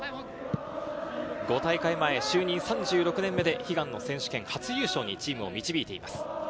５大会前、就任３６年目で悲願の選手権初優勝にチームを導いています。